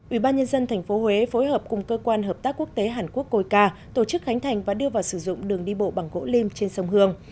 ủy ban nhân dân tp huế phối hợp cùng cơ quan hợp tác quốc tế hàn quốc coica tổ chức khánh thành và đưa vào sử dụng đường đi bộ bằng gỗ lim trên sông hương